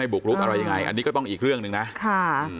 บุกรุกอะไรยังไงอันนี้ก็ต้องอีกเรื่องหนึ่งนะค่ะ